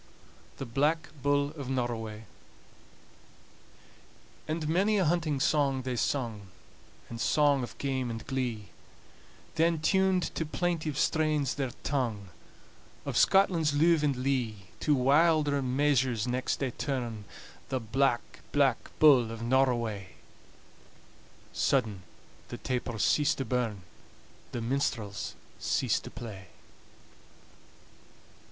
THE BLACK BULL OF NORROWAY And many a hunting song they sung, And song of game and glee; Then tuned to plaintive strains their tongue, "Of Scotland's luve and lee." To wilder measures next they turn "The Black, Black Bull of Norroway!" Sudden the tapers cease to burn, The minstrels cease to play.